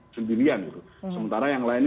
sendirian gitu sementara yang lainnya